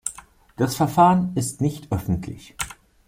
Das Verfahren ist nicht öffentlich.